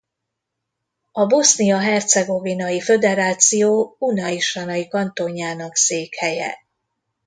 A Bosznia-hercegovinai Föderáció Unai-Sanai kantonjának székhelye.